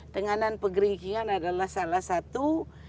tenganan pegeringsingan adalah salah satu